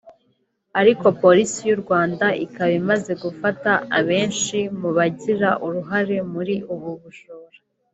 ariko Polisi y’u Rwanda ikaba imaze gufata abenshi mu bagira uruhare muri ubu bujura